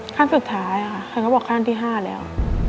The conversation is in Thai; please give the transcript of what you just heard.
ขั้นสุดท้ายค่ะท่านก็บอกขั้นที่๕แล้ว